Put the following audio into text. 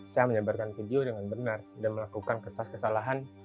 saya menyebarkan video dengan benar dan melakukan kertas kesalahan